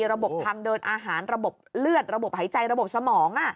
ระบบทางเดินอาหารระบบเลือดระบบหายใจระบบสมอง